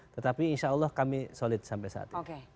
tetapi insya allah kami solid sampai saat ini